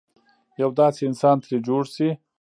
یو داسې انسان ترې جوړ شي.